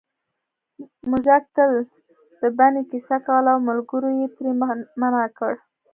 موږک تل د بنۍ کیسه کوله او ملګرو یې ترې منع کړ